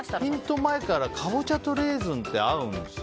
カボチャとレーズンって合うんですよ。